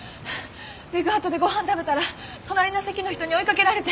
ＶｅｇＯｕｔでご飯食べたら隣の席の人に追いかけられて。